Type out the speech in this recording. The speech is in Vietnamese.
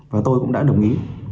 và tôi cũng đã đồng ý